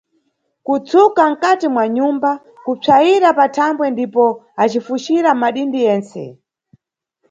kutsuka nkati mwa nyumba, kupsayira pathambwe ndipo ucifucira madindi yentse.